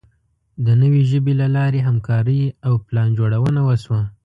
د نوې ژبې له لارې همکاري او پلانجوړونه وشوه.